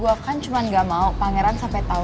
sampai jumpa di video selanjutnya